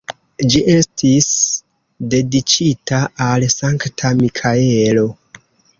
Ĝi estis dediĉita al Sankta Mikaelo.